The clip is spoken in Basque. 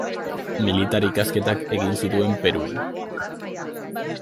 Militar ikasketak egin zituen Perun.